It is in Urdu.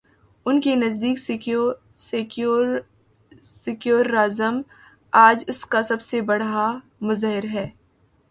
ان کے نزدیک سیکولرازم، آج اس کا سب سے بڑا مظہر ہے۔